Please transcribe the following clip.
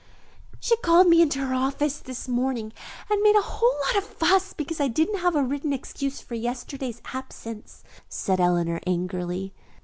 "She called me into her office this morning and made a whole lot of fuss because I didn't have a written excuse for yesterday's absence," said Eleanor angrily.